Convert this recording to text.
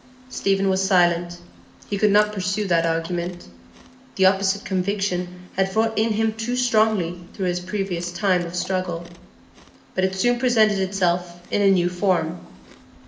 Stephen was silent; he could not pursue that argument; the opposite conviction had wrought in him too strongly through his previous time of struggle. But it soon presented itself in a new form.